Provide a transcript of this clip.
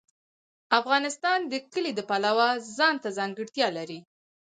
افغانستان د کلي د پلوه ځانته ځانګړتیا لري.